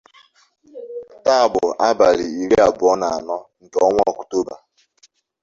taa bụ abalị iri abụọ na anọ nke ọnwa Ọkụtoba